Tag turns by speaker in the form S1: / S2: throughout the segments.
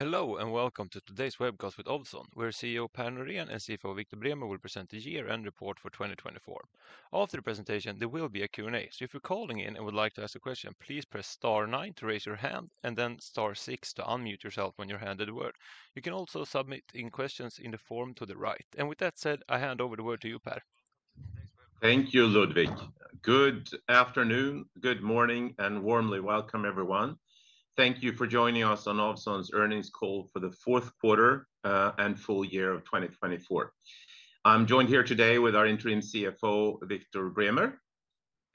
S1: Hello and welcome to today's webcast with Ovzon, where CEO Per Norén and CFO Viktor Bremer will present the year and report for 2024. After the presentation, there will be a Q&A, so if you're calling in and would like to ask a question, please press star 9 to raise your hand and then star 6 to unmute yourself when you're handed the word. You can also submit questions in the form to the right, and with that said, I hand over the word to you, Per.
S2: Thank you, Ludvig. Good afternoon, good morning, and warmly welcome everyone. Thank you for joining us on Ovzon's earnings call for the fourth quarter and full year of 2024. I'm joined here today with our Interim CFO, Viktor Bremer.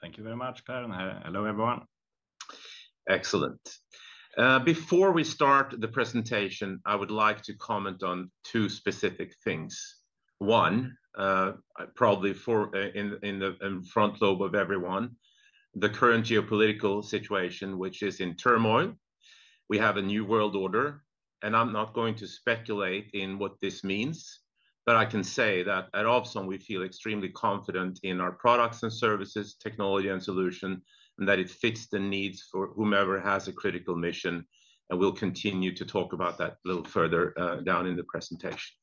S3: Thank you very much, Per. Hello everyone.
S2: Excellent. Before we start the presentation, I would like to comment on two specific things. One, probably in the front of mind for everyone, the current geopolitical situation, which is in turmoil. We have a new world order, and I'm not going to speculate in what this means, but I can say that at Ovzon we feel extremely confident in our products and services, technology and solution, and that it fits the needs for whomever has a critical mission, and we'll continue to talk about that a little further down in the presentation.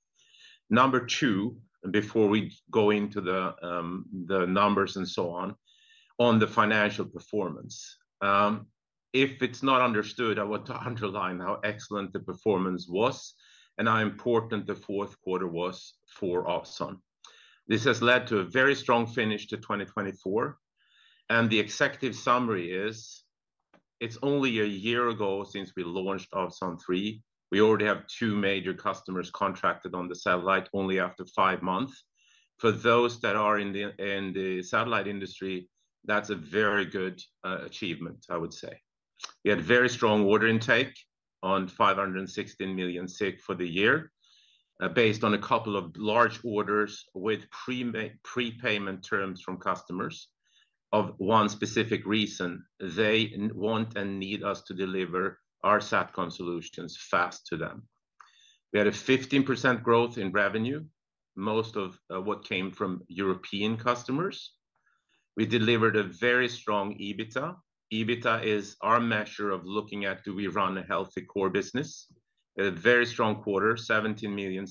S2: Number two, and before we go into the numbers and so on, on the financial performance. If it's not understood, I want to underline how excellent the performance was and how important the fourth quarter was for Ovzon. This has led to a very strong finish to 2024. The executive summary is, it's only a year ago since we launched Ovzon 3. We already have two major customers contracted on the satellite only after five months. For those that are in the satellite industry, that's a very good achievement, I would say. We had very strong order intake on 516 million for the year, based on a couple of large orders with prepayment terms from customers of one specific reason. They want and need us to deliver our Satcom solutions fast to them. We had 15% growth in revenue, most of what came from European customers. We delivered a very strong EBITDA. EBITDA is our measure of looking at do we run a healthy core business. We had a very strong quarter, 17 million,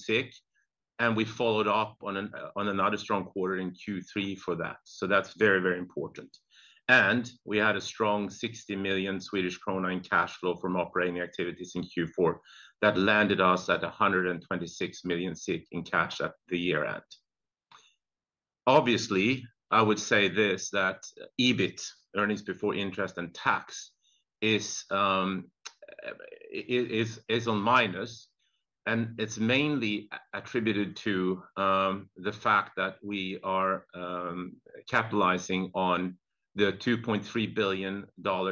S2: and we followed up on another strong quarter in Q3 for that. So that's very, very important. We had a strong 60 million Swedish krona in cash flow from operating activities in Q4 that landed us at 126 million in cash at the year end. Obviously, I would say this, that EBIT, earnings before interest and tax, is on minus, and it's mainly attributed to the fact that we are capitalizing on the $2.3 billion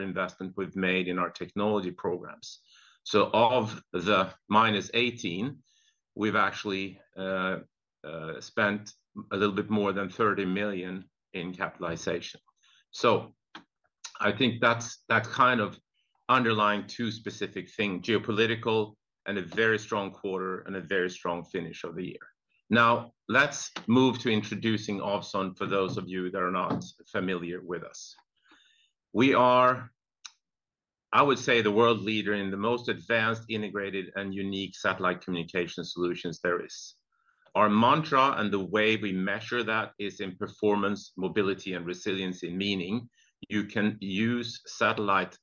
S2: investment we've made in our technology programs. So of the minus 18, we've actually spent a little bit more than 30 million in capitalization. So I think that's kind of underlying two specific things, geopolitical and a very strong quarter and a very strong finish of the year. Now, let's move to introducing Ovzon for those of you that are not familiar with us. We are, I would say, the world leader in the most advanced, integrated, and unique satellite communication solutions there is. Our mantra and the way we measure that is in performance, mobility, and resiliency, meaning you can use satellite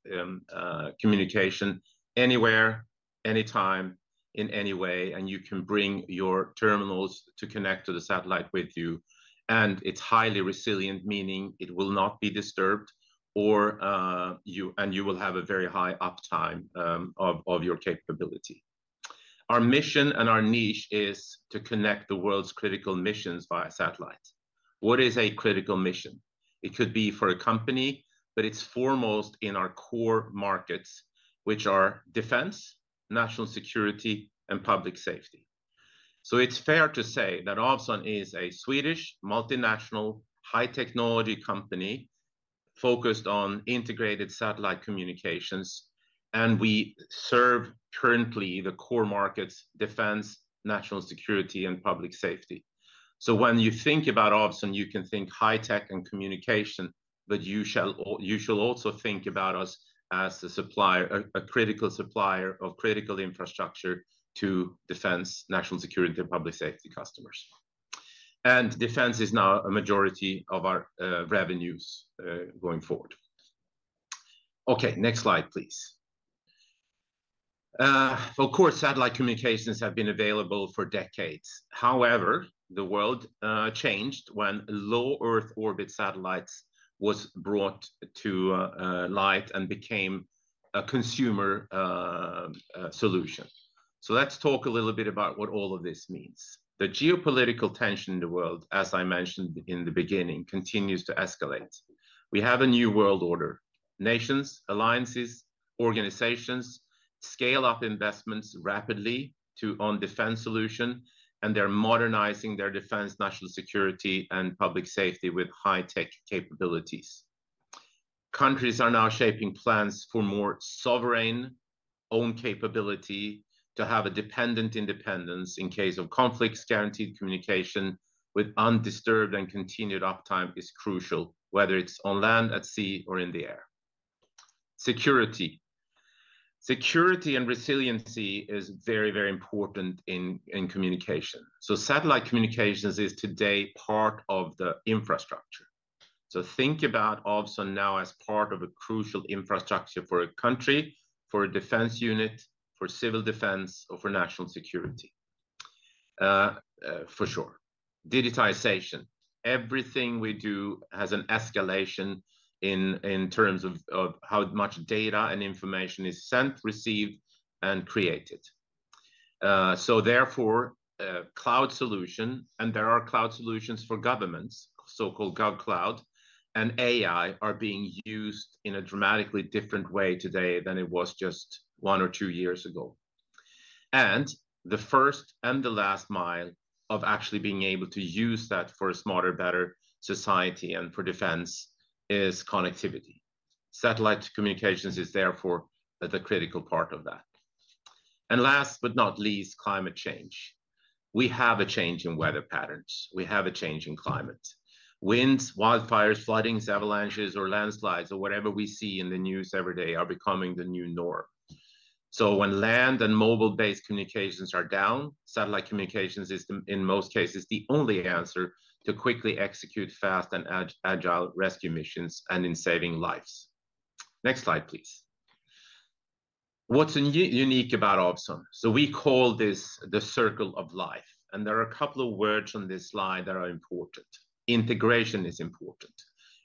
S2: communication anywhere, anytime, in any way, and you can bring your terminals to connect to the satellite with you, and it's highly resilient, meaning it will not be disturbed, and you will have a very high uptime of your capability. Our mission and our niche is to connect the world's critical missions via satellite. What is a critical mission? It could be for a company, but it's foremost in our core markets, which are defense, national security, and public safety, so it's fair to say that Ovzon is a Swedish multinational high-technology company focused on integrated satellite communications, and we serve currently the core markets, defense, national security, and public safety. So when you think about Ovzon, you can think high-tech and communication, but you shall also think about us as a critical supplier of critical infrastructure to defense, national security, and public safety customers. And defense is now a majority of our revenues going forward. Okay, next slide, please. Of course, satellite communications have been available for decades. However, the world changed when low Earth orbit satellites were brought to light and became a consumer solution. So let's talk a little bit about what all of this means. The geopolitical tension in the world, as I mentioned in the beginning, continues to escalate. We have a new world order. Nations, alliances, organizations scale up investments rapidly on defense solutions, and they're modernizing their defense, national security, and public safety with high-tech capabilities. Countries are now shaping plans for more sovereign own capability to have a dependent independence in case of conflicts. Guaranteed communication with undisturbed and continued uptime is crucial, whether it's on land, at sea, or in the air. Security. Security and resiliency is very, very important in communication. So satellite communications is today part of the infrastructure. So think about Ovzon now as part of a crucial infrastructure for a country, for a defense unit, for civil defense, or for national security, for sure. Digitization. Everything we do has an escalation in terms of how much data and information is sent, received, and created. So therefore, cloud solutions, and there are cloud solutions for governments, so-called GovCloud, and AI are being used in a dramatically different way today than it was just one or two years ago. The first and the last mile of actually being able to use that for a smarter, better society and for defense is connectivity. Satellite communications is therefore the critical part of that. And last but not least, climate change. We have a change in weather patterns. We have a change in climate. Winds, wildfires, flooding, avalanches, or landslides, or whatever we see in the news every day are becoming the new norm. So when land and mobile-based communications are down, satellite communications is, in most cases, the only answer to quickly execute fast and agile rescue missions and in saving lives. Next slide, please. What's unique about Ovzon? So we call this the circle of life. And there are a couple of words on this slide that are important. Integration is important.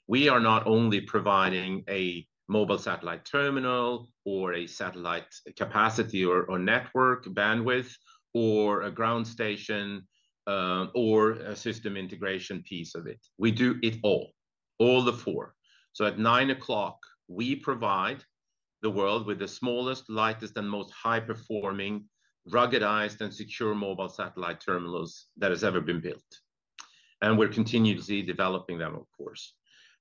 S2: We are not only providing a mobile satellite terminal or a satellite capacity or network bandwidth or a ground station or a system integration piece of it. We do it all, all the four. So at 9 o'clock, we provide the world with the smallest, lightest, and most high-performing, ruggedized, and secure mobile satellite terminals that have ever been built. And we're continuously developing them, of course.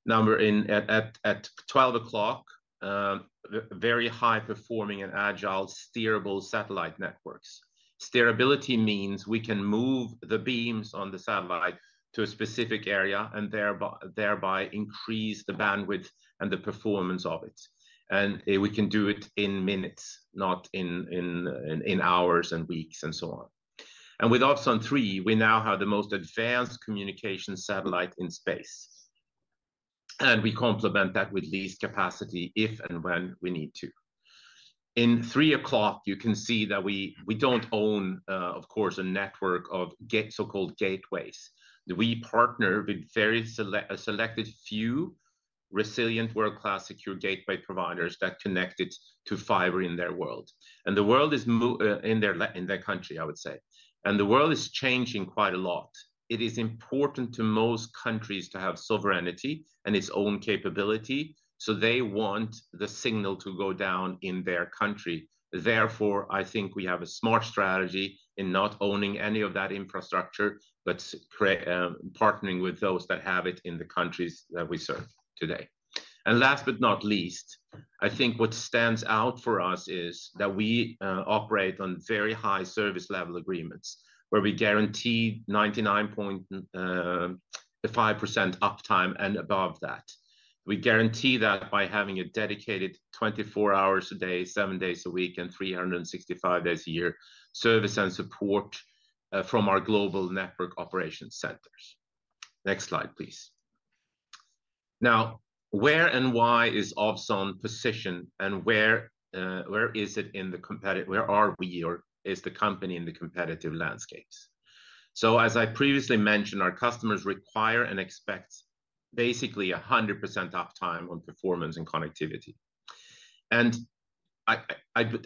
S2: Now we're in at 12 o'clock, very high-performing and agile steerable satellite networks. Steerability means we can move the beams on the satellite to a specific area and thereby increase the bandwidth and the performance of it. And we can do it in minutes, not in hours and weeks and so on. And with Ovzon 3, we now have the most advanced communication satellite in space. And we complement that with leased capacity if and when we need to. At three o'clock, you can see that we don't own, of course, a network of so-called gateways. We partner with very selected few resilient world-class secure gateway providers that connect it to fiber in their world, and the world is in their country, I would say, and the world is changing quite a lot. It is important to most countries to have sovereignty and its own capability. So they want the signal to go down in their country. Therefore, I think we have a smart strategy in not owning any of that infrastructure, but partnering with those that have it in the countries that we serve today, and last but not least, I think what stands out for us is that we operate on very high service level agreements where we guarantee 99.5% uptime and above that. We guarantee that by having a dedicated 24 hours a day, seven days a week, and 365 days a year service and support from our global network operations centers. Next slide, please. Now, where and why is Ovzon positioned and where is it in the competitive where are we or is the company in the competitive landscapes? So as I previously mentioned, our customers require and expect basically 100% uptime on performance and connectivity. And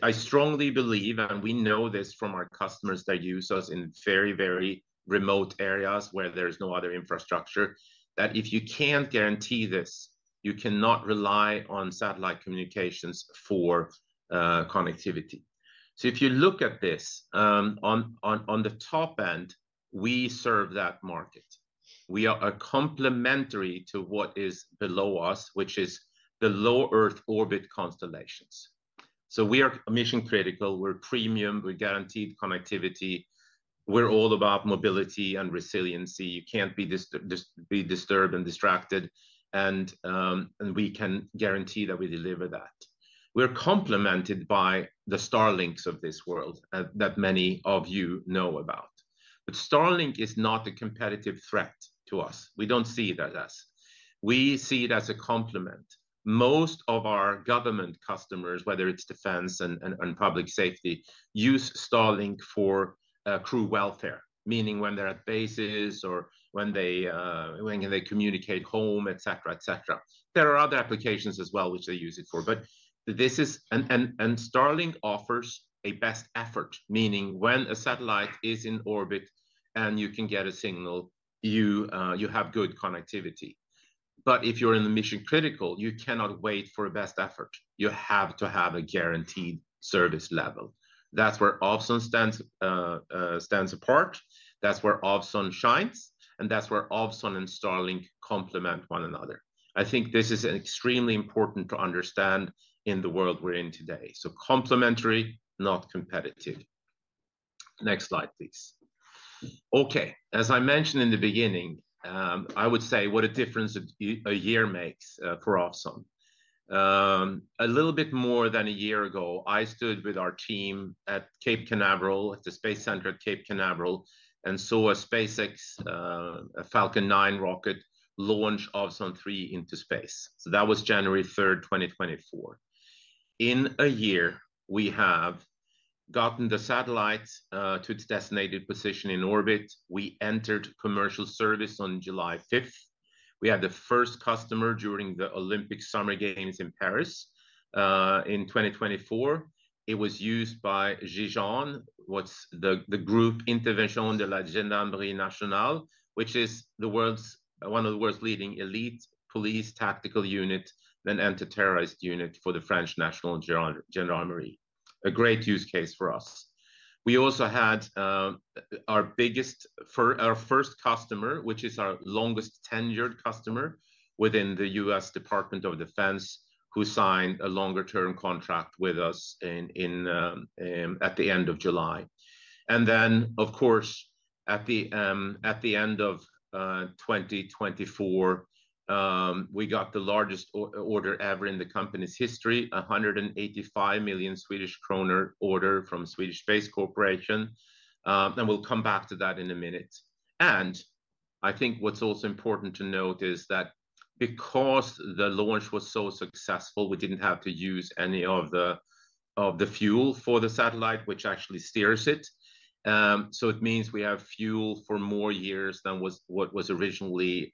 S2: I strongly believe, and we know this from our customers that use us in very, very remote areas where there is no other infrastructure, that if you can't guarantee this, you cannot rely on satellite communications for connectivity. So if you look at this, on the top end, we serve that market. We are complementary to what is below us, which is the low Earth orbit constellations. So we are mission critical. We're premium. We're guaranteed connectivity. We're all about mobility and resiliency. You can't be disturbed and distracted, and we can guarantee that we deliver that. We're complemented by the Starlinks of this world that many of you know about, but Starlink is not a competitive threat to us. We don't see it as us. We see it as a complement. Most of our government customers, whether it's defense and public safety, use Starlink for crew welfare, meaning when they're at bases or when they communicate home, et cetera, et cetera. There are other applications as well, which they use it for. But this is and Starlink offers a best effort, meaning when a satellite is in orbit and you can get a signal, you have good connectivity. But if you're in the mission critical, you cannot wait for a best effort. You have to have a guaranteed service level. That's where Ovzon stands apart. That's where Ovzon shines. And that's where Ovzon and Starlink complement one another. I think this is extremely important to understand in the world we're in today. So complementary, not competitive. Next slide, please. Okay. As I mentioned in the beginning, I would say what a difference a year makes for Ovzon. A little bit more than a year ago, I stood with our team at Cape Canaveral, at the Space Center at Cape Canaveral, and saw a SpaceX Falcon 9 rocket launch Ovzon 3 into space. So that was January 3rd, 2024. In a year, we have gotten the satellite to its designated position in orbit. We entered commercial service on July 5th. We had the first customer during the Olympic Summer Games in Paris in 2024. It was used by GIGN, which is the Groupe d'Intervention de la Gendarmerie Nationale, which is one of the world's leading elite police tactical unit and anti-terrorist unit for the French National Gendarmerie. A great use case for us. We also had our first customer, which is our longest tenured customer within the US Department of Defense, who signed a longer-term contract with us at the end of July. Then, of course, at the end of 2024, we got the largest order ever in the company's history, a 185 million Swedish kronor order from Swedish Space Corporation. We'll come back to that in a minute. I think what's also important to note is that because the launch was so successful, we didn't have to use any of the fuel for the satellite, which actually steers it. It means we have fuel for more years than what was originally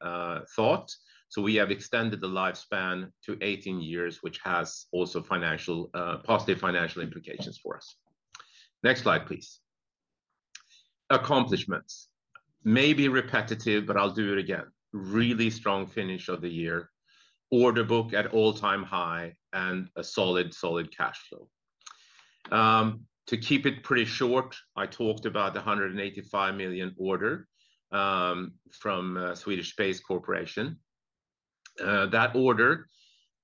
S2: thought. We have extended the lifespan to 18 years, which has also positive financial implications for us. Next slide, please. Accomplishments. May be repetitive, but I'll do it again. Really strong finish of the year. Order book at all-time high and a solid, solid cash flow. To keep it pretty short, I talked about the 185 million order from Swedish Space Corporation. That order,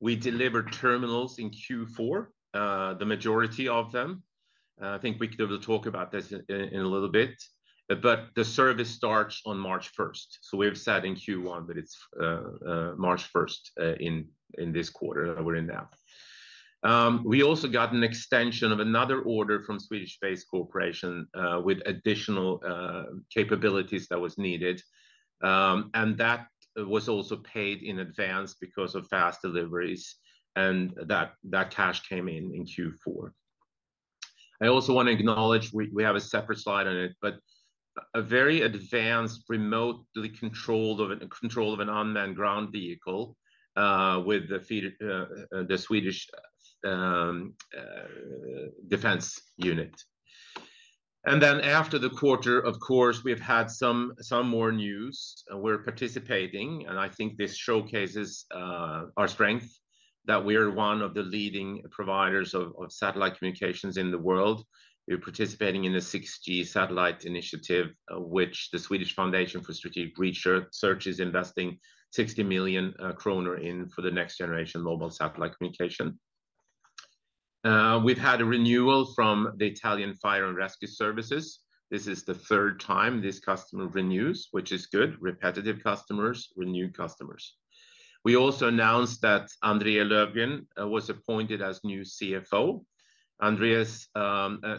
S2: we delivered terminals in Q4, the majority of them. I think we will talk about this in a little bit. But the service starts on March 1st. We've said in Q1, but it's March 1st in this quarter that we're in now. We also got an extension of another order from Swedish Space Corporation with additional capabilities that were needed. That was also paid in advance because of fast deliveries. That cash came in in Q4. I also want to acknowledge we have a separate slide on it, but a very advanced remote control of an unmanned ground vehicle with the Swedish defense unit. Then after the quarter, of course, we've had some more news. We're participating. I think this showcases our strength that we are one of the leading providers of satellite communications in the world. We're participating in the 6G satellite initiative, which the Swedish Foundation for Strategic Research is investing 60 million kronor in for the next generation mobile satellite communication. We've had a renewal from the Italian Fire and Rescue Services. This is the third time this customer renews, which is good. Repetitive customers, renewed customers. We also announced that Andreas Löfgren was appointed as new CFO. Andrea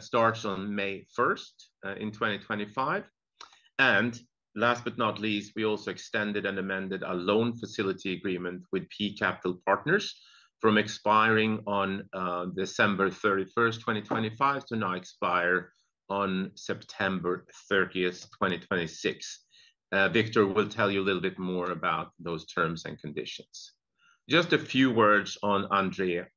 S2: starts on May 1st, 2025. Last but not least, we also extended and amended our loan facility agreement with P Capital Partners from expiring on December 31st, 2025, to now expire on September 30th, 2026. Viktor will tell you a little bit more about those terms and conditions. Just a few words on Andrea,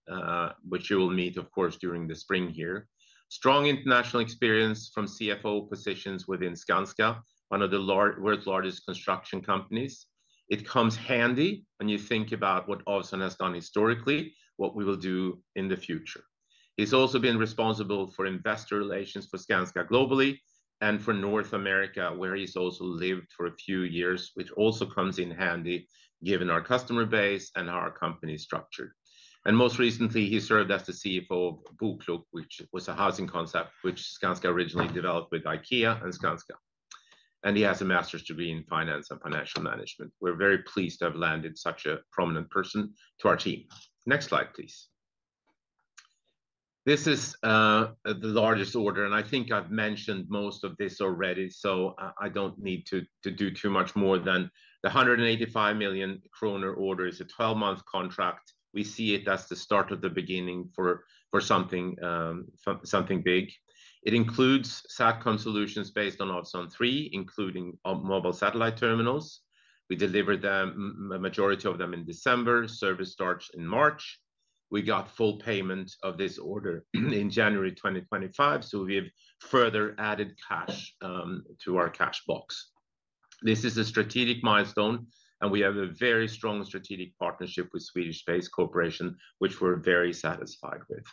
S2: which you will meet, of course, during the spring here. Strong international experience from CFO positions within Skanska, one of the world's largest construction companies. It comes handy when you think about what Ovzon has done historically, what we will do in the future. He's also been responsible for investor relations for Skanska globally and for North America, where he's also lived for a few years, which also comes in handy given our customer base and how our company is structured. Most recently, he served as the CFO of BoKlok, which was a housing concept which Skanska originally developed with IKEA and Skanska. He has a master's degree in finance and financial management. We're very pleased to have landed such a prominent person to our team. Next slide, please. This is the largest order. I think I've mentioned most of this already, so I don't need to do too much more than the 185 million kronor order is a 12-month contract. We see it as the start of the beginning for something big. It includes SatCom solutions based on Ovzon 3, including mobile satellite terminals. We delivered the majority of them in December. Service starts in March. We got full payment of this order in January 2025. We have further added cash to our cash box. This is a strategic milestone, and we have a very strong strategic partnership with Swedish Space Corporation, which we're very satisfied with,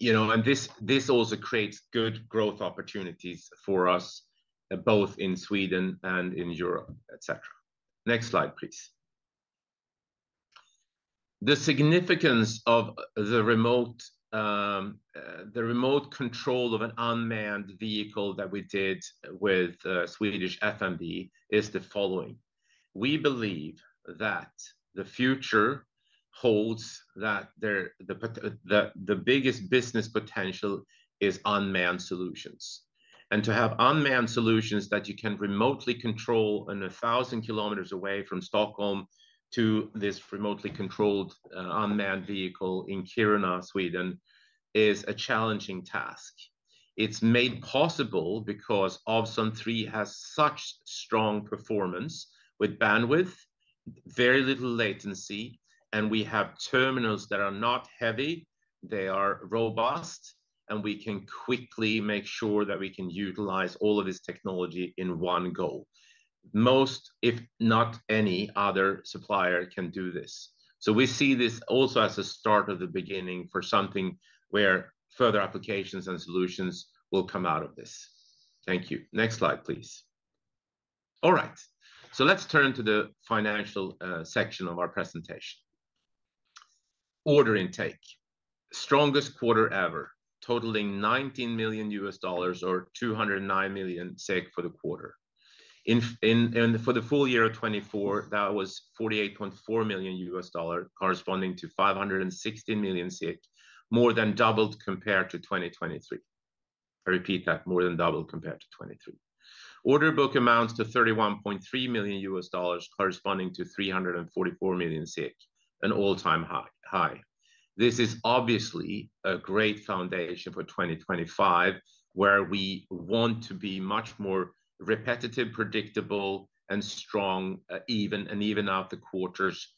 S2: and this also creates good growth opportunities for us, both in Sweden and in Europe, et cetera. Next slide, please. The significance of the remote control of an unmanned vehicle that we did with Swedish FMV is the following. We believe that the future holds that the biggest business potential is unmanned solutions, and to have unmanned solutions that you can remotely control 1,000 kilometers away from Stockholm to this remotely controlled unmanned vehicle in Kiruna, Sweden, is a challenging task. It's made possible because Ovzon 3 has such strong performance with bandwidth, very little latency, and we have terminals that are not heavy. They are robust, and we can quickly make sure that we can utilize all of this technology in one go. Most, if not any other supplier, can do this. So we see this also as a start of the beginning for something where further applications and solutions will come out of this. Thank you. Next slide, please. All right. So let's turn to the financial section of our presentation. Order intake. Strongest quarter ever, totaling $19 million or 209 million SEK for the quarter. And for the full year of 2024, that was $48.4 million, corresponding to 516 million SEK, more than doubled compared to 2023. I repeat that, more than doubled compared to 2023. Order book amounts to $31.3 million, corresponding to 344 million SEK, an all-time high. This is obviously a great foundation for 2025, where we want to be much more repetitive, predictable, and strong, even out the quarters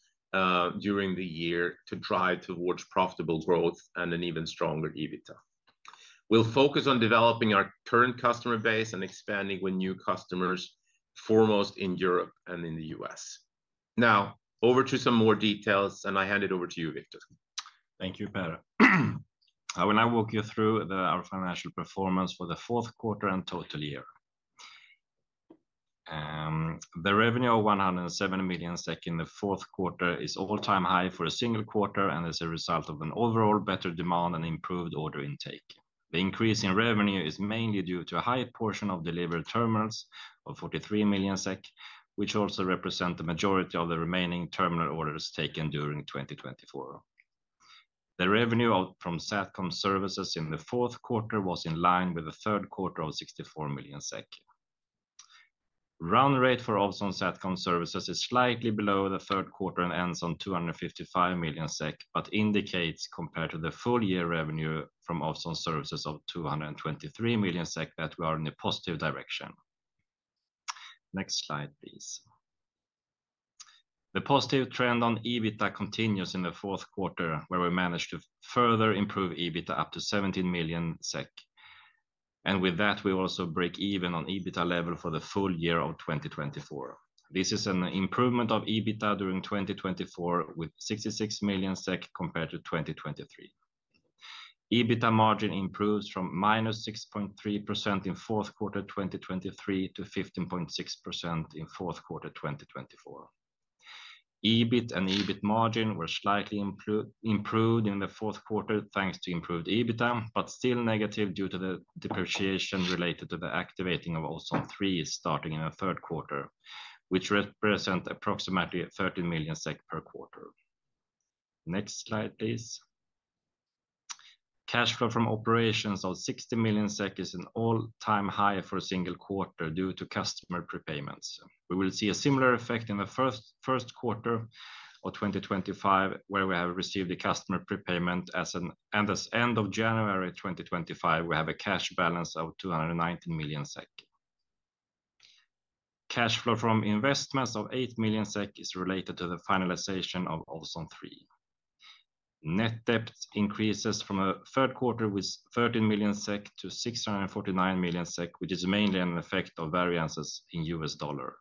S2: during the year to drive towards profitable growth and an even stronger EBITDA. We'll focus on developing our current customer base and expanding with new customers, foremost in Europe and in the U.S. Now, over to some more details, and I hand it over to you, Viktor.
S3: Thank you, Per. I will now walk you through our financial performance for the fourth quarter and total year. The revenue of 107 million SEK in the fourth quarter is all-time high for a single quarter, and is a result of an overall better demand and improved order intake. The increase in revenue is mainly due to a high portion of delivered terminals of 43 million SEK, which also represent the majority of the remaining terminal orders taken during 2024. The revenue from SatCom services in the fourth quarter was in line with the third quarter of 64 million SEK. Run rate for Ovzon SatCom services is slightly below the third quarter and ends on 255 million SEK, but indicates compared to the full year revenue from Ovzon services of 223 million SEK that we are in a positive direction. Next slide, please. The positive trend on EBITDA continues in the fourth quarter, where we managed to further improve EBITDA up to 17 million SEK, and with that, we also break even on EBITDA level for the full year of 2024. This is an improvement of EBITDA during 2024 with 66 million SEK compared to 2023. EBITDA margin improves from minus 6.3% in fourth quarter 2023 to 15.6% in fourth quarter 2024. EBIT and EBIT margin were slightly improved in the fourth quarter thanks to improved EBITDA, but still negative due to the depreciation related to the activating of Ovzon 3 starting in the third quarter, which represents approximately 13 million SEK per quarter. Next slide, please. Cash flow from operations of 60 million SEK is an all-time high for a single quarter due to customer prepayments. We will see a similar effect in the first quarter of 2025, where we have received a customer prepayment, and as of end of January 2025, we have a cash balance of 219 million SEK. Cash flow from investments of 8 million SEK is related to the finalization of Ovzon 3. Net debt increases from a third quarter with 13 million SEK to 649 million SEK, which is mainly an effect of variances in US dollar.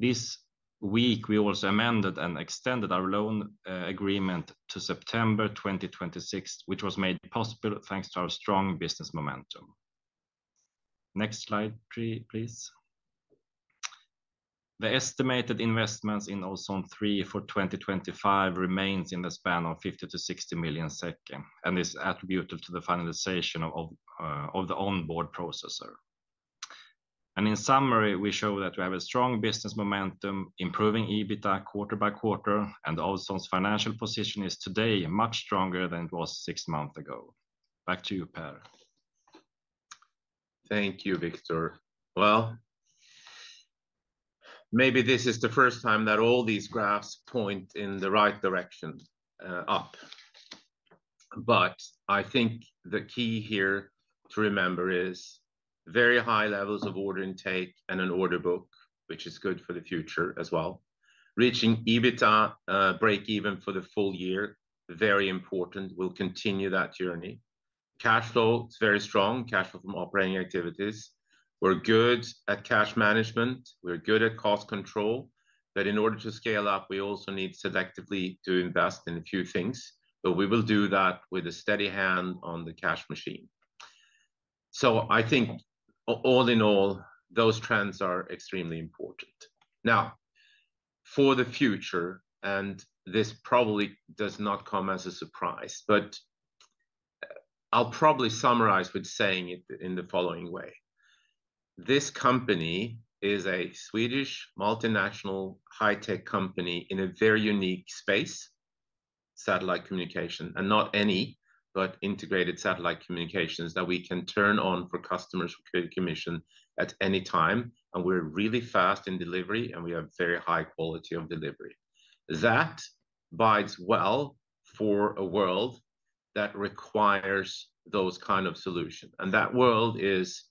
S3: This week, we also amended and extended our loan agreement to September 2026, which was made possible thanks to our strong business momentum. Next slide, please. The estimated investments in Ovzon 3 for 2025 remains in the span of 50-60 million SEK, and this is attributable to the finalization of the onboard processor. In summary, we show that we have a strong business momentum, improving EBITDA quarter by quarter, and Ovzon's financial position is today much stronger than it was six months ago. Back to you, Per.
S2: Thank you, Viktor. Well, maybe this is the first time that all these graphs point in the right direction up. I think the key here to remember is very high levels of order intake and an order book, which is good for the future as well. Reaching EBITDA break-even for the full year, very important. We'll continue that journey. Cash flow, it's very strong. Cash flow from operating activities. We're good at cash management. We're good at cost control. But in order to scale up, we also need selectively to invest in a few things. But we will do that with a steady hand on the cash machine. So I think all in all, those trends are extremely important. Now, for the future, and this probably does not come as a surprise, but I'll probably summarize with saying it in the following way. This company is a Swedish multinational high-tech company in a very unique space, satellite communication, and not any, but integrated satellite communications that we can turn on for customers for commission at any time. And we're really fast in delivery, and we have very high quality of delivery. That bodes well for a world that requires those kinds of solutions. That world is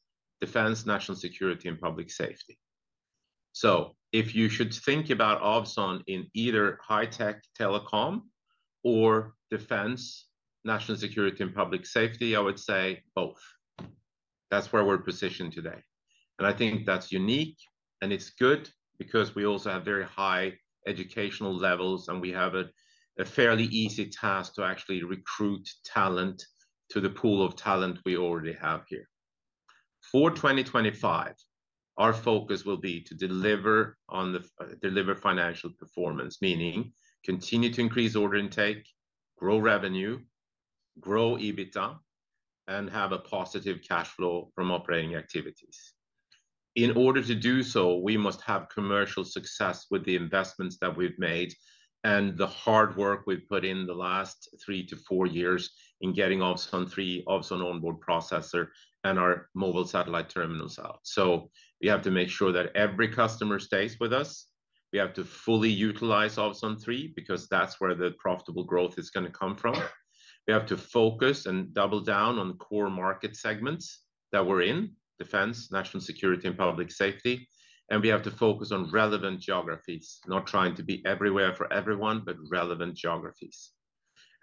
S2: defense, national security, and public safety. So if you should think about Ovzon in either high-tech telecom or defense, national security, and public safety, I would say both. That's where we're positioned today. I think that's unique, and it's good because we also have very high educational levels, and we have a fairly easy task to actually recruit talent to the pool of talent we already have here. For 2025, our focus will be to deliver on the financial performance, meaning continue to increase order intake, grow revenue, grow EBITDA, and have a positive cash flow from operating activities. In order to do so, we must have commercial success with the investments that we've made and the hard work we've put in the last three to four years in getting Ovzon 3, Ovzon Onboard Processor, and our mobile satellite terminals out. So we have to make sure that every customer stays with us. We have to fully utilize Ovzon 3 because that's where the profitable growth is going to come from. We have to focus and double down on core market segments that we're in, defense, national security, and public safety. And we have to focus on relevant geographies, not trying to be everywhere for everyone, but relevant geographies.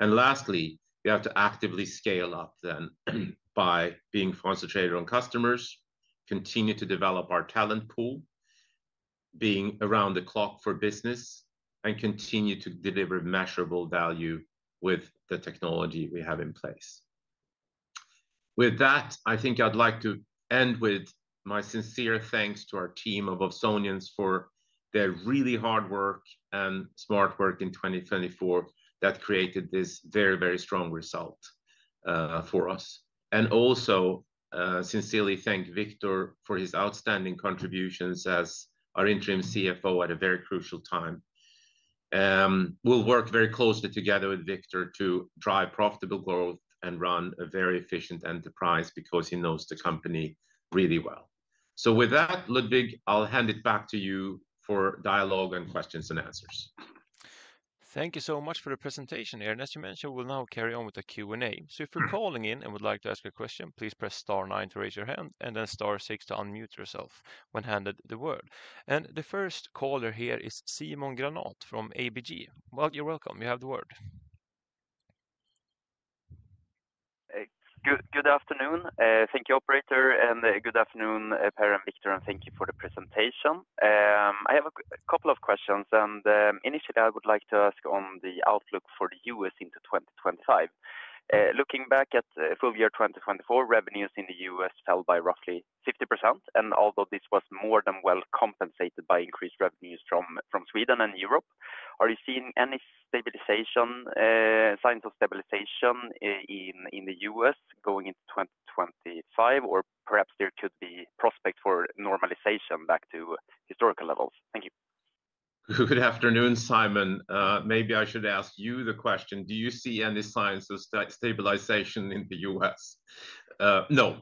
S2: And lastly, we have to actively scale up then by being concentrated on customers, continue to develop our talent pool, being around the clock for business, and continue to deliver measurable value with the technology we have in place. With that, I think I'd like to end with my sincere thanks to our team of Ovzonians for their really hard work and smart work in 2024 that created this very, very strong result for us. And also, sincerely thank Viktor for his outstanding contributions as our interim CFO at a very crucial time. We'll work very closely together with Viktor to drive profitable growth and run a very efficient enterprise because he knows the company really well. So with that, Ludwig, I'll hand it back to you for dialogue and questions and answers.
S1: Thank you so much for the presentation, Per. As you mentioned, we'll now carry on with the Q&A. So if you're calling in and would like to ask a question, please press star nine to raise your hand and then star six to unmute yourself when handed the word. And the first caller here is Simon Granat from ABG. Well, you're welcome. You have the word.
S4: Good afternoon. Thank you, Operator, and good afternoon, Per and Viktor, and thank you for the presentation. I have a couple of questions, and initially, I would like to ask on the outlook for the U.S. into 2025. Looking back at full year 2024, revenues in the U.S. fell by roughly 50%, and although this was more than well compensated by increased revenues from Sweden and Europe, are you seeing any signs of stabilization in the U.S. going into 2025, or perhaps there could be prospects for normalization back to historical levels? Thank you.
S2: Good afternoon, Simon. Maybe I should ask you the question. Do you see any signs of stabilization in the U.S.?
S4: No.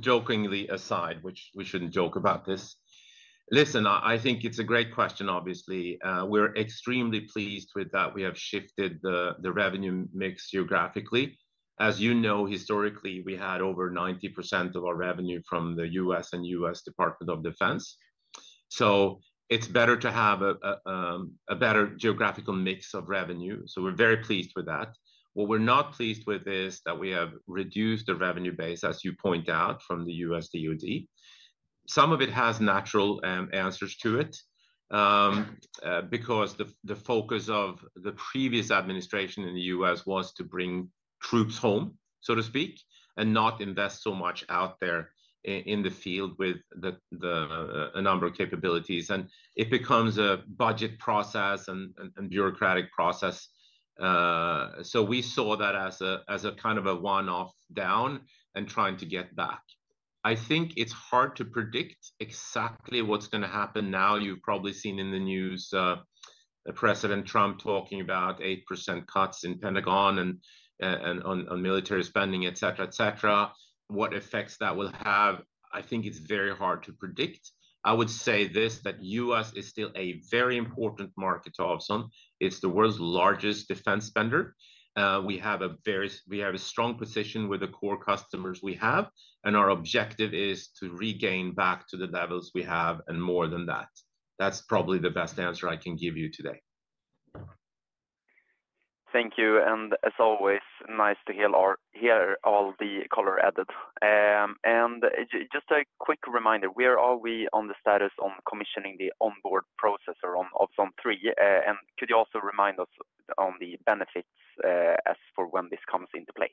S2: Jokingly aside, which we shouldn't joke about this. Listen, I think it's a great question, obviously. We're extremely pleased with that we have shifted the revenue mix geographically. As you know, historically, we had over 90% of our revenue from the U.S. and U.S. Department of Defense. It's better to have a better geographical mix of revenue. We're very pleased with that. What we're not pleased with is that we have reduced the revenue base, as you point out, from the U.S. DOD. Some of it has natural answers to it because the focus of the previous administration in the U.S. was to bring troops home, so to speak, and not invest so much out there in the field with a number of capabilities. And it becomes a budget process and bureaucratic process. We saw that as a kind of a one-off down and trying to get back. I think it's hard to predict exactly what's going to happen now. You've probably seen in the news President Trump talking about 8% cuts in Pentagon and on military spending, et cetera, et cetera. What effects that will have, I think it's very hard to predict. I would say this, that the U.S. is still a very important market to Ovzon. It's the world's largest defense spender. We have a strong position with the core customers we have, and our objective is to regain back to the levels we have and more than that. That's probably the best answer I can give you today.
S4: Thank you, and as always, nice to hear all the color added, and just a quick reminder, where are we on the status on commissioning the onboard processor on Ovzon 3? And could you also remind us on the benefits as for when this comes into play?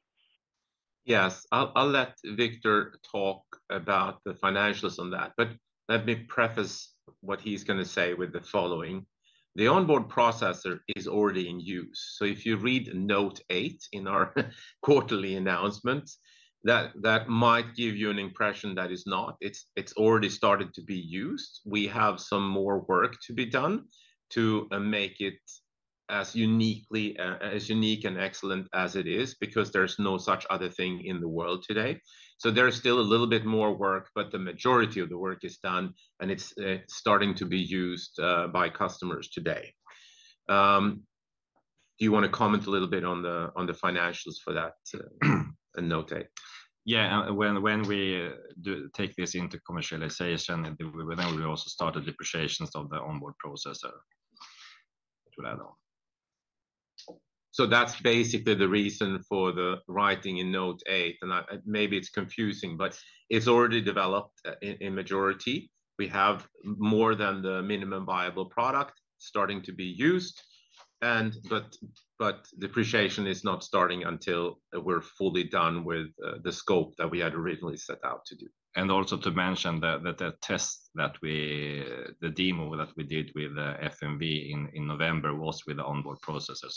S2: Yes, I'll let Viktor talk about the financials on that, but let me preface what he's going to say with the following. The onboard processor is already in use. So if you read note eight in our quarterly announcement, that might give you an impression that it's not. It's already started to be used. We have some more work to be done to make it as unique and excellent as it is because there's no such other thing in the world today. So there's still a little bit more work, but the majority of the work is done, and it's starting to be used by customers today. Do you want to comment a little bit on the financials for that and note eight?
S3: Yeah, when we take this into commercialization, then we also started depreciations of the onboard processor.
S2: So that's basically the reason for the writing in note eight, and maybe it's confusing, but it's already developed in majority. We have more than the minimum viable product starting to be used, but depreciation is not starting until we're fully done with the scope that we had originally set out to do, and also to mention that the demo that we did with FMV in November was with the onboard processor,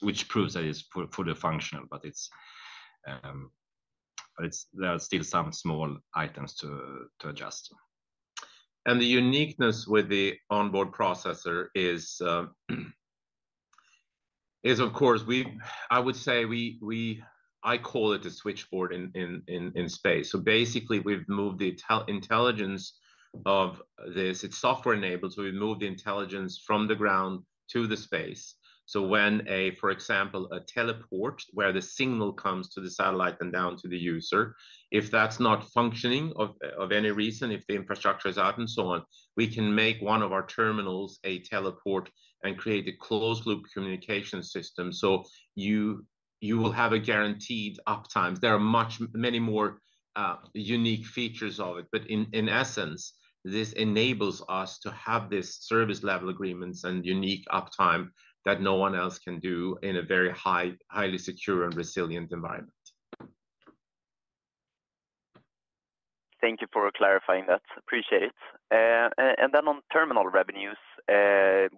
S2: which proves that it's fully functional, but there are still some small items to adjust, and the uniqueness with the onboard processor is, of course, I would say I call it a switchboard in space, so basically, we've moved the intelligence of this. It's software-enabled, so we've moved the intelligence from the ground to the space. So, when, for example, a teleport where the signal comes to the satellite and down to the user, if that's not functioning for any reason, if the infrastructure is out and so on, we can make one of our terminals a teleport and create a closed-loop communication system. So you will have a guaranteed uptime. There are many more unique features of it, but in essence, this enables us to have this service-level agreements and unique uptime that no one else can do in a very highly secure and resilient environment.
S4: Thank you for clarifying that. Appreciate it. And then on terminal revenues,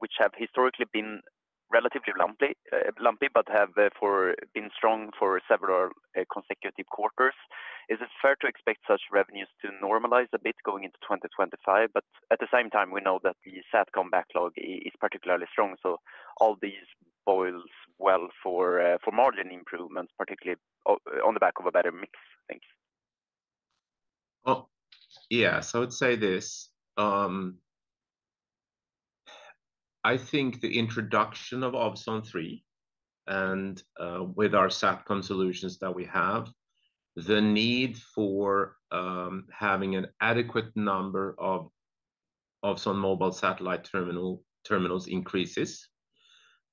S4: which have historically been relatively lumpy, but have been strong for several consecutive quarters, is it fair to expect such revenues to normalize a bit going into 2025?
S3: But at the same time, we know that the SatCom backlog is particularly strong, so all these bodes well for margin improvements, particularly on the back of a better mix.
S4: Thanks.
S2: Well, yeah, so I would say this. I think the introduction of Ovzon 3 and with our SatCom solutions that we have, the need for having an adequate number of Ovzon mobile satellite terminals increases.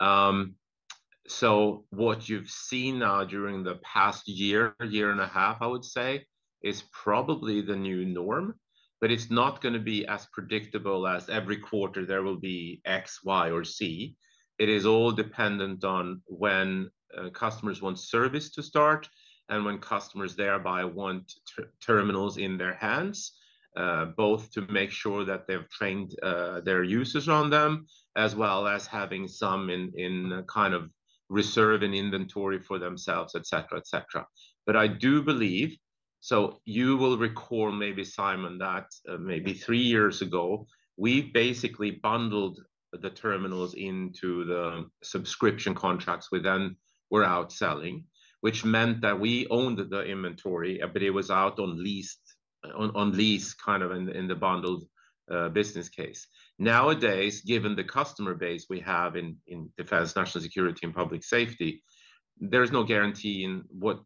S2: So what you've seen now during the past year, year and a half, I would say, is probably the new norm, but it's not going to be as predictable as every quarter there will be X, Y, or Z. It is all dependent on when customers want service to start and when customers thereby want terminals in their hands, both to make sure that they've trained their users on them, as well as having some in kind of reserve and inventory for themselves, et cetera, et cetera. But I do believe, so you will recall maybe, Simon, that maybe three years ago, we basically bundled the terminals into the subscription contracts we then were outselling, which meant that we owned the inventory, but it was out on lease kind of in the bundled business case. Nowadays, given the customer base we have in defense, national security, and public safety, there is no guarantee in what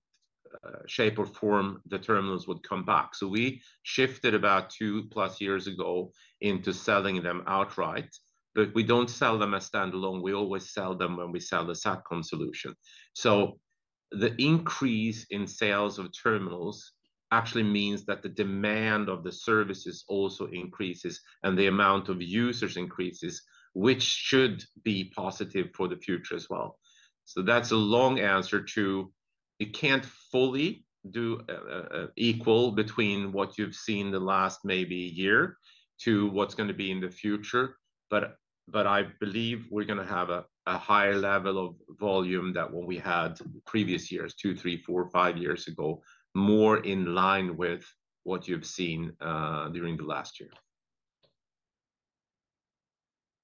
S2: shape or form the terminals would come back. So we shifted about two-plus years ago into selling them outright, but we don't sell them as standalone. We always sell them when we sell the Satcom solution. So the increase in sales of terminals actually means that the demand of the services also increases and the amount of users increases, which should be positive for the future as well. So that's a long answer to it can't fully do equal between what you've seen the last maybe year to what's going to be in the future, but I believe we're going to have a higher level of volume than what we had previous years, two, three, four, five years ago, more in line with what you've seen during the last year.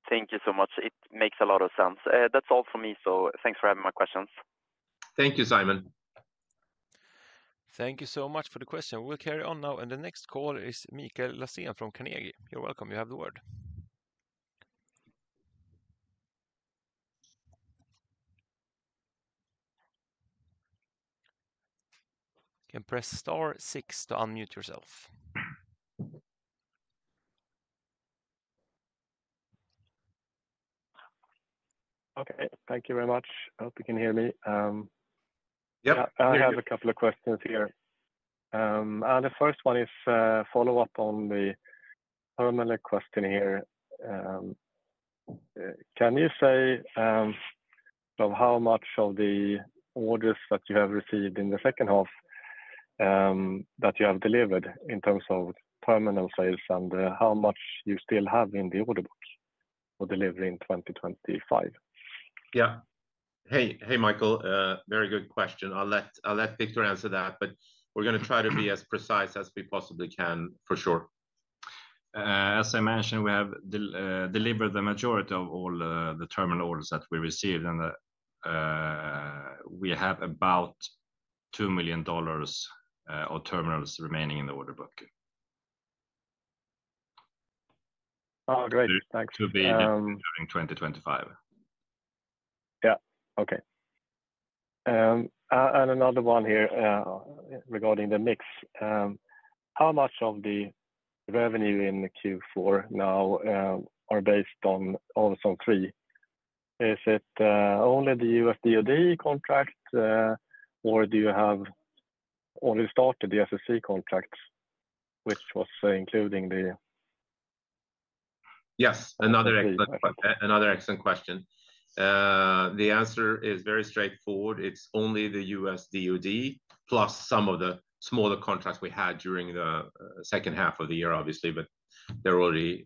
S4: Thank you so much. It makes a lot of sense. That's all for me, so thanks for having my questions.
S2: Thank you, Simon.
S1: Thank you so much for the question. We'll carry on now, and the next caller is Mikael Löfgren from Carnegie. You're welcome. You have the word. You can press star six to unmute yourself.
S5: Okay. Thank you very much. I hope you can hear me. Yep. I have a couple of questions here. The first one is a follow-up on the terminal question here. Can you say how much of the orders that you have received in the second half that you have delivered in terms of terminal sales and how much you still have in the order book for delivery in 2025?
S2: Yeah. Hey, Mikael, very good question. I'll let Viktor answer that, but we're going to try to be as precise as we possibly can for sure. As I mentioned, we have delivered the majority of all the terminal orders that we received, and we have about $2 million of terminals remaining in the order book.
S5: Oh, great. Thanks.
S2: To be during 2025.
S5: Yeah. Okay. And another one here regarding the mix. How much of the revenue in Q4 now are based on Ovzon 3? Is it only the U.S. DOD contract, or do you have already started the SSC contract, which was including the?
S2: Yes. Another excellent question. The answer is very straightforward. It's only the U.S. DOD plus some of the smaller contracts we had during the second half of the year, obviously, but they're already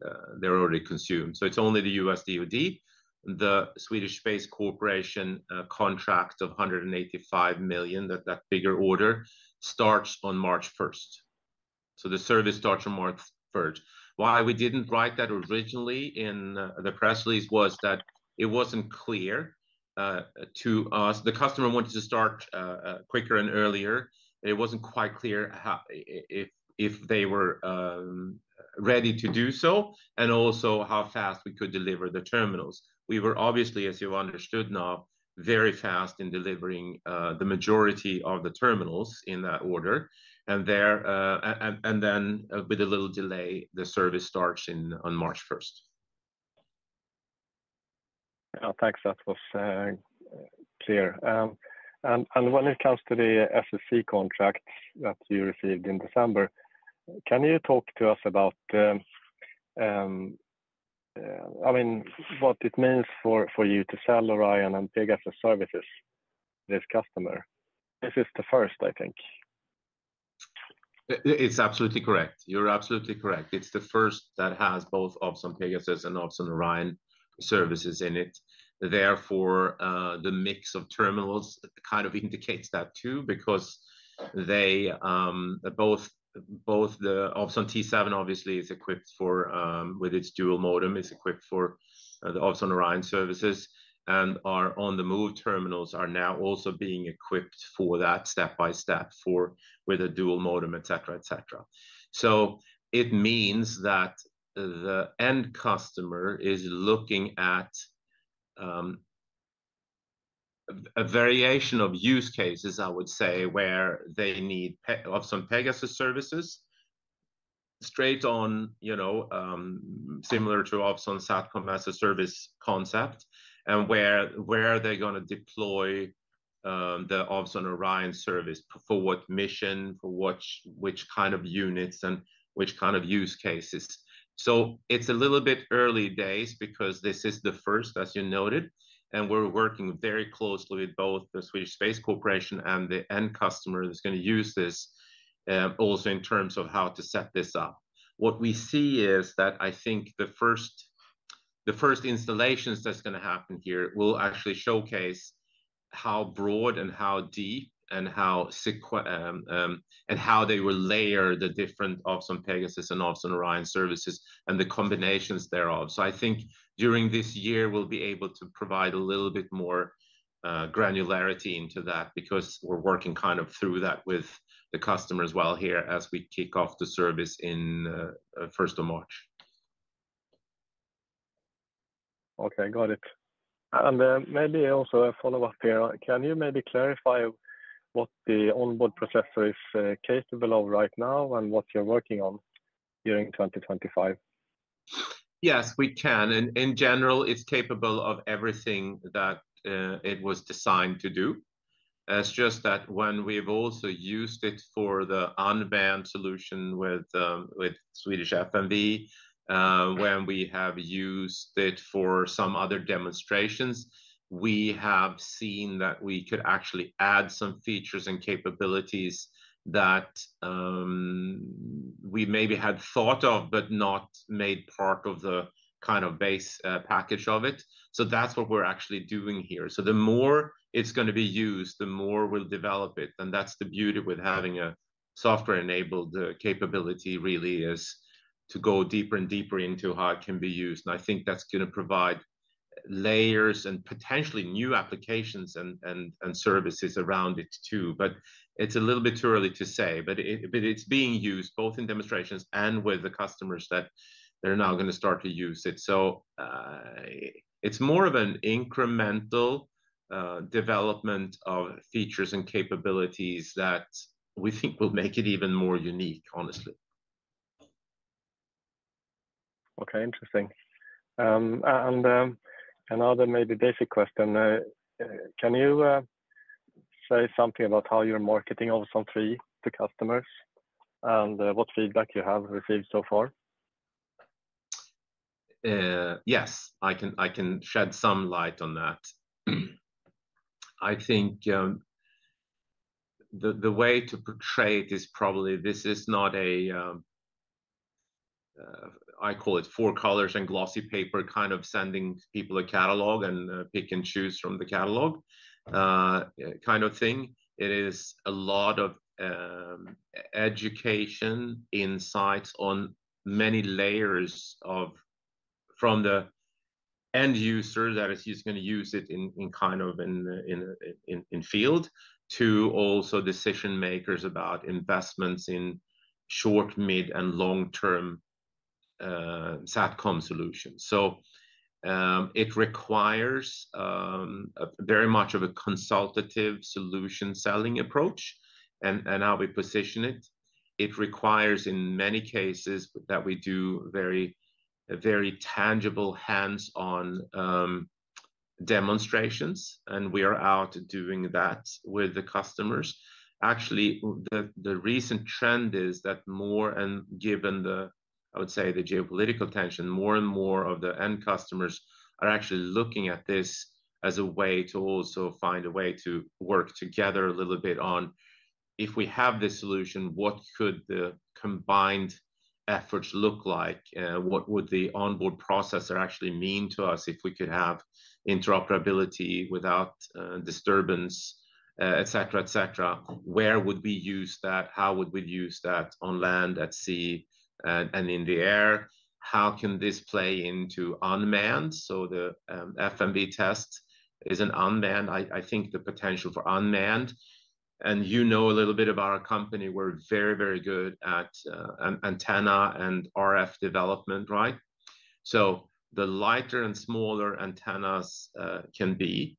S2: consumed. So it's only the U.S. DOD. The Swedish Space Corporation contract of 185 million SEK, that bigger order, starts on March 1st. So the service starts on March 1st. Why we didn't write that originally in the press release was that it wasn't clear to us. The customer wanted to start quicker and earlier. It wasn't quite clear if they were ready to do so and also how fast we could deliver the terminals. We were obviously, as you understood now, very fast in delivering the majority of the terminals in that order, and then with a little delay, the service starts on March 1st.
S5: Thanks. That was clear, and when it comes to the SSC contracts that you received in December, can you talk to us about, I mean, what it means for you to sell Ovzon Orion and Ovzon Pegasus services to this customer? This is the first, I think.
S2: It's absolutely correct. You're absolutely correct. It's the first that has both Ovzon Pegasus and Ovzon Orion services in it. Therefore, the mix of terminals kind of indicates that too because both the Ovzon T7, obviously, is equipped with its dual modem, is equipped for the Ovzon Orion services, and our on-the-move terminals are now also being equipped for that step-by-step with a dual modem, et cetera, et cetera. So it means that the end customer is looking at a variation of use cases, I would say, where they need Ovzon Pegasus services straight on, similar to Ovzon SatCom-as-a-Service concept, and where are they going to deploy the Ovzon Orion service for what mission, for which kind of units, and which kind of use cases. So it's a little bit early days because this is the first, as you noted, and we're working very closely with both the Swedish Space Corporation and the end customer that's going to use this also in terms of how to set this up. What we see is that I think the first installations that's going to happen here will actually showcase how broad and how deep and how they will layer the different Ovzon Pegasus and Ovzon Orion services and the combinations thereof. I think during this year, we'll be able to provide a little bit more granularity into that because we're working kind of through that with the customer as well here as we kick off the service in the first of March. Okay. Got it. And maybe also a follow-up here. Can you maybe clarify what the onboard processor is capable of right now and what you're working on during 2025? Yes, we can. In general, it's capable of everything that it was designed to do. It's just that when we've also used it for the unmanned solution with Swedish FMV, when we have used it for some other demonstrations, we have seen that we could actually add some features and capabilities that we maybe had thought of but not made part of the kind of base package of it. So that's what we're actually doing here. The more it's going to be used, the more we'll develop it. That's the beauty with having a software-enabled capability really is to go deeper and deeper into how it can be used. I think that's going to provide layers and potentially new applications and services around it too. It's a little bit too early to say, but it's being used both in demonstrations and with the customers that they're now going to start to use it. It's more of an incremental development of features and capabilities that we think will make it even more unique, honestly.
S5: Okay. Interesting. Another maybe basic question. Can you say something about how you're marketing Ovzon 3 to customers and what feedback you have received so far? Yes. I can shed some light on that. I think the way to portray it is probably this is not a. I call it four colors and glossy paper kind of sending people a catalog and pick and choose from the catalog kind of thing. It is a lot of education, insights on many layers from the end user that is going to use it kind of in field to also decision-makers about investments in short-, mid-, and long-term SatCom solutions. So it requires very much of a consultative solution selling approach and how we position it. It requires, in many cases, that we do very tangible hands-on demonstrations, and we are out doing that with the customers. Actually, the recent trend is that more and, given the—I would say—the geopolitical tension, more and more of the end customers are actually looking at this as a way to also find a way to work together a little bit on if we have this solution, what could the combined efforts look like? What would the onboard processor actually mean to us if we could have interoperability without disturbance, et cetera, et cetera? Where would we use that? How would we use that on land, at sea, and in the air? How can this play into unmanned? So the FMV test is an unmanned. I think the potential for unmanned. And you know a little bit about our company. We're very, very good at antenna and RF development, right? So the lighter and smaller antennas can be.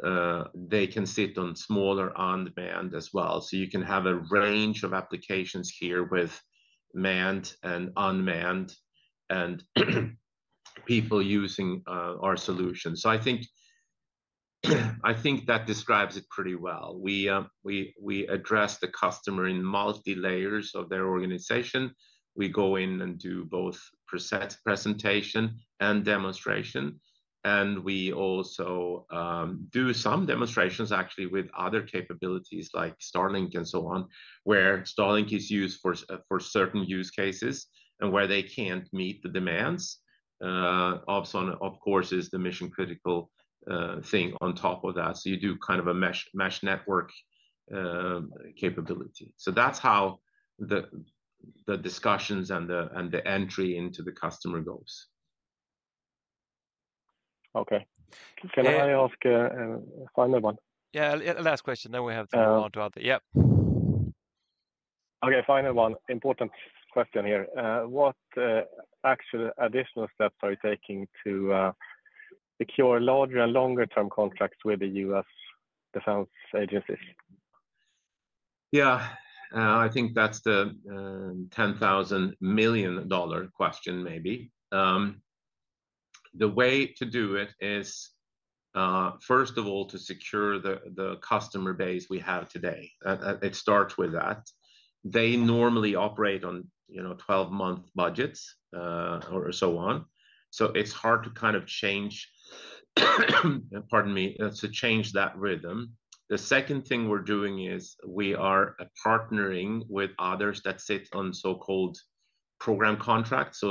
S5: They can sit on smaller unmanned as well. So you can have a range of applications here with manned and unmanned and people using our solution. So I think that describes it pretty well. We address the customer in multi-layers of their organization. We go in and do both presentation and demonstration. And we also do some demonstrations actually with other capabilities like Starlink and so on, where Starlink is used for certain use cases and where they can't meet the demands. Ovzon, of course, is the mission-critical thing on top of that. So you do kind of a mesh network capability. So that's how the discussions and the entry into the customer goes. Okay. Can I ask a final one? Yeah. Last question. Then we have time to answer other.
S2: Yep. Okay.Final one. Important question here. What actual additional steps are you taking to secure larger and longer-term contracts with the U.S. defense agencies? Yeah. I think that's the $10,000 million question maybe. The way to do it is, first of all, to secure the customer base we have today. It starts with that. They normally operate on 12-month budgets or so on. So it's hard to kind of change, pardon me, to change that rhythm. The second thing we're doing is we are partnering with others that sit on so-called program contracts,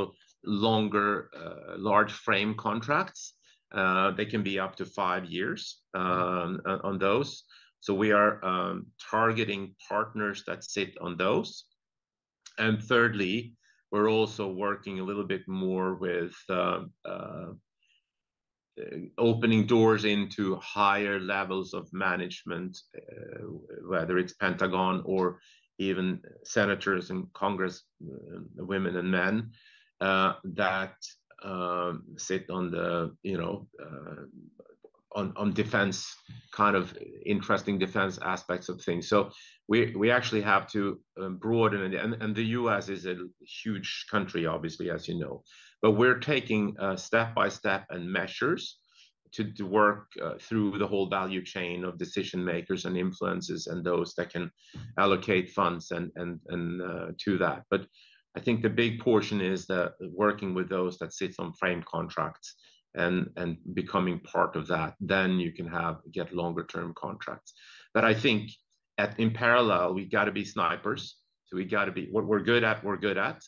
S2: so longer large-frame contracts. They can be up to five years on those. So we are targeting partners that sit on those. And thirdly, we're also working a little bit more with opening doors into higher levels of management, whether it's Pentagon or even senators and congresswomen and men that sit on defense kind of interesting defense aspects of things. So we actually have to broaden it. And the U.S. is a huge country, obviously, as you know. But we're taking step-by-step measures to work through the whole value chain of decision-makers and influencers and those that can allocate funds to that. I think the big portion is working with those that sit on frame contracts and becoming part of that. Then you can get longer-term contracts. I think in parallel, we've got to be snipers. So we've got to be what we're good at, we're good at.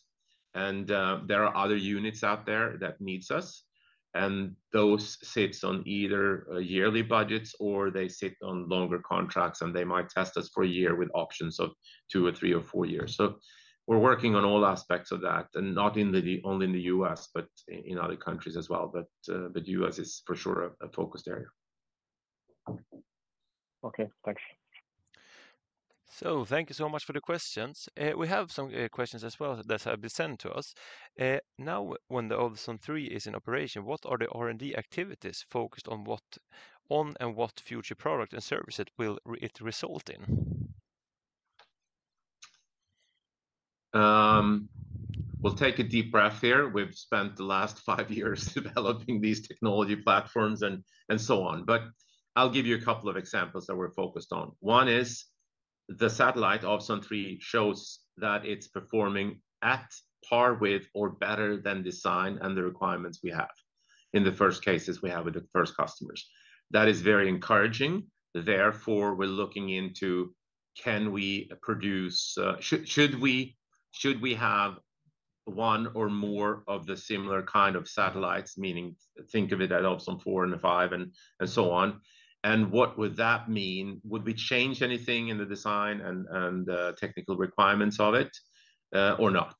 S2: There are other units out there that need us. Those sit on either yearly budgets or they sit on longer contracts, and they might test us for a year with options of two or three or four years. We're working on all aspects of that, not only in the U.S., but in other countries as well. The U.S. is for sure a focus area.
S5: Okay. Thanks,
S1: so thank you so much for the questions. We have some questions as well that have been sent to us. Now, when the Ovzon 3 is in operation, what are the R&D activities focused on and what future product and service will it result in?
S2: We'll take a deep breath here. We've spent the last five years developing these technology platforms and so on. But I'll give you a couple of examples that we're focused on. One is the satellite Ovzon 3 shows that it's performing at par with or better than design and the requirements we have. In the first cases, we have with the first customers. That is very encouraging. Therefore, we're looking into can we produce should we have one or more of the similar kind of satellites, meaning think of it as Ovzon 4 and 5 and so on, and what would that mean? Would we change anything in the design and the technical requirements of it or not,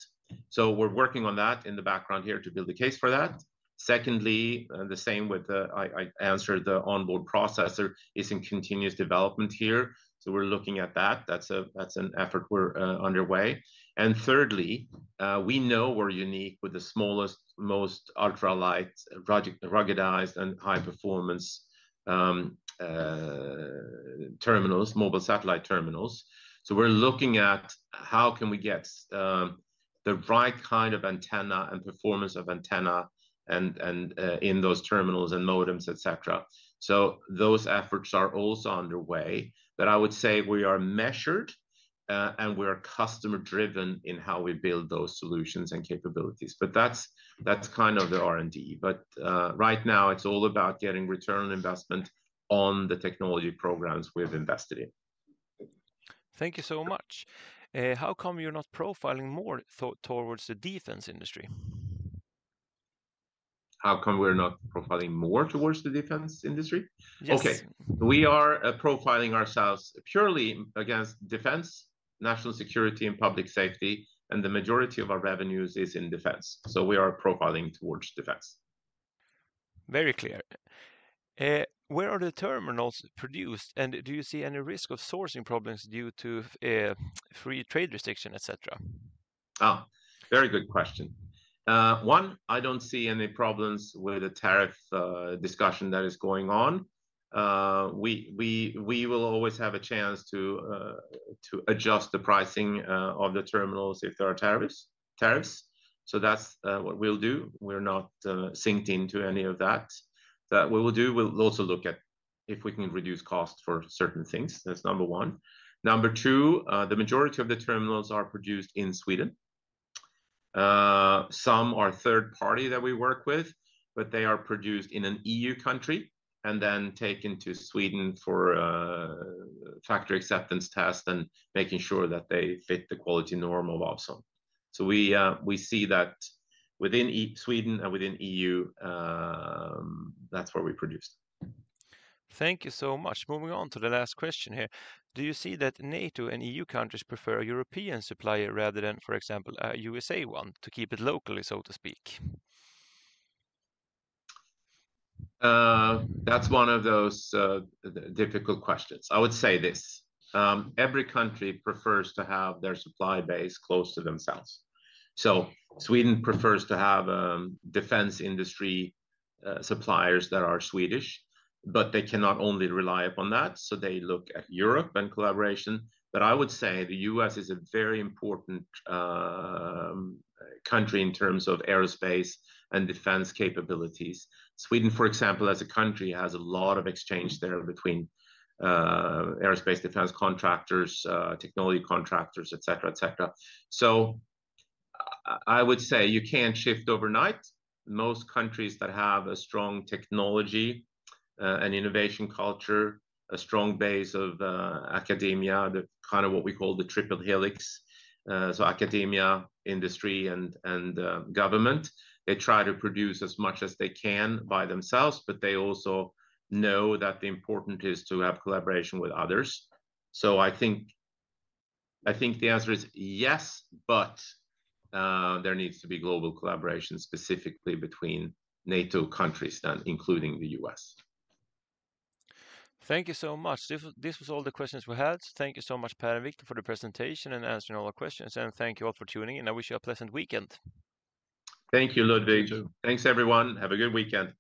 S2: so we're working on that in the background here to build a case for that. Secondly, the same with the onboard processor is in continuous development here, so we're looking at that. That's an effort we're underway and thirdly, we know we're unique with the smallest, most ultra-light ruggedized and high-performance terminals, mobile satellite terminals, so we're looking at how can we get the right kind of antenna and performance of antenna in those terminals and modems, et cetera, so those efforts are also underway but I would say we are measured and we are customer-driven in how we build those solutions and capabilities but that's kind of the R&D but right now, it's all about getting return on investment on the technology programs we've invested in.
S1: Thank you so much. How come you're not profiling more towards the defense industry?
S2: How come we're not profiling more towards the defense industry? Yes. Okay. We are profiling ourselves purely against defense, national security, and public safety. And the majority of our revenues is in defense. So we are profiling towards defense.
S1: Very clear. Where are the terminals produced? And do you see any risk of sourcing problems due to free trade restriction, et cetera?
S2: Oh, very good question. One, I don't see any problems with the tariff discussion that is going on. We will always have a chance to adjust the pricing of the terminals if there are tariffs. So that's what we'll do. We're not sunk into any of that. What we'll do, we'll also look at if we can reduce costs for certain things. That's number one. Number two, the majority of the terminals are produced in Sweden. Some are third-party that we work with, but they are produced in an EU country and then taken to Sweden for factory acceptance tests and making sure that they fit the quality norm of Ovzon. So we see that within Sweden and within EU, that's where we produce.
S1: Thank you so much. Moving on to the last question here. Do you see that NATO and EU countries prefer a European supplier rather than, for example, a USA one to keep it locally, so to speak?
S2: That's one of those difficult questions. I would say this. Every country prefers to have their supply base close to themselves. So Sweden prefers to have defense industry suppliers that are Swedish, but they cannot only rely upon that. So they look at Europe and collaboration. But I would say the U.S., is a very important country in terms of aerospace and defense capabilities. Sweden, for example, as a country, has a lot of exchange there between aerospace defense contractors, technology contractors, et cetera, et cetera. So I would say you can't shift overnight. Most countries that have a strong technology and innovation culture, a strong base of academia, kind of what we call the Triple Helix, so academia, industry, and government, they try to produce as much as they can by themselves, but they also know that the important is to have collaboration with others. So I think the answer is yes, but there needs to be global collaboration specifically between NATO countries then, including the U.S.
S1: Thank you so much. This was all the questions we had. Thank you so much, Per and Viktor, for the presentation and answering all the questions, and thank you all for tuning in. I wish you a pleasant weekend.
S2: Thank you, Ludwig. Thanks, everyone. Have a good weekend.